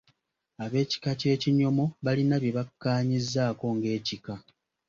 Ab’ekika ky’Ekinyomo balina bye bakkaanyizzaako ng’ekika.